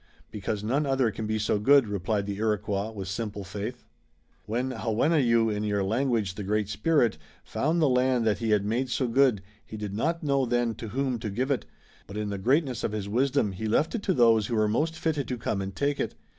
"Because none other can be so good," replied the Iroquois with simple faith. "When Hawenneyu, in your language the Great Spirit, found the land that he had made so good he did not know then to whom to give it, but in the greatness of his wisdom he left it to those who were most fitted to come and take it.